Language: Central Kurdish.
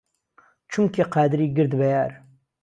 چومکی قادری گرت به یار